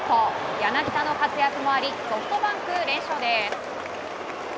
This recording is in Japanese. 柳田の活躍もありソフトバンク連勝です。